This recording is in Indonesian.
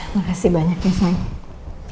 makasih banyak ya surya